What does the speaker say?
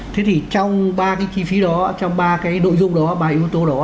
thế thì trong ba cái chi phí đó trong ba cái nội dung đó ba yếu tố đó